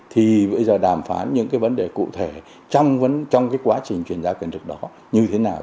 thì bây giờ đàm phán những cái vấn đề cụ thể trong cái quá trình chuyển giá quyền lực đó như thế nào